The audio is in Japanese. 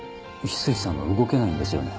翡翠さんは動けないんですよね？